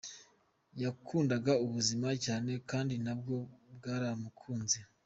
Yakundaga ubuzima cyane kandi nabwo bwaramukunze!”.